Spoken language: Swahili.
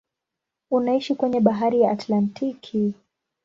Unaishia kwenye bahari ya Atlantiki.